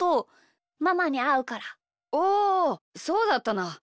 おおそうだったな。